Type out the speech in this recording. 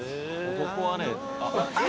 ここはね。